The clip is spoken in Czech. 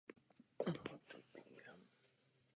Sídlem rakouské sekce zůstal Innsbruck.